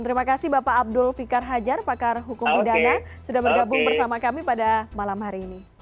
terima kasih bapak abdul fikar hajar pakar hukum pidana sudah bergabung bersama kami pada malam hari ini